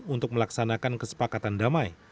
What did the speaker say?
untuk melaksanakan kesepakatan damai